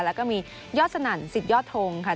แล้วก็มียอดสนั่นสิทธยอดทงค่ะ